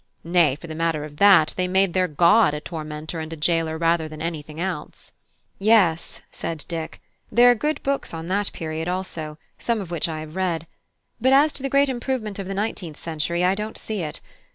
nay, for the matter of that, they made their God a tormentor and a jailer rather than anything else." "Yes," said Dick, "there are good books on that period also, some of which I have read. But as to the great improvement of the nineteenth century, I don't see it.